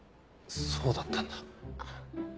そうだったんだ。